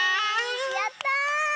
やった！